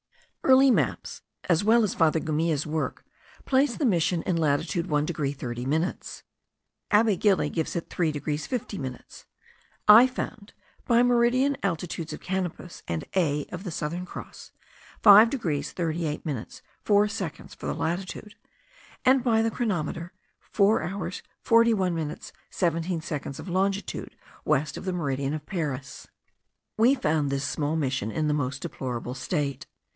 Early maps, as well as Father Gumilla's work, place the Mission in latitude 1 degree 30 minutes. Abbe Gili gives it 3 degrees 50 minutes. I found, by meridian altitudes of Canopus and a of the Southern Cross, 5 degrees 38 minutes 4 seconds for the latitude; and by the chronometer 4 hours 41 minutes 17 seconds of longitude west of the meridian of Paris. We found this small Mission in the most deplorable state.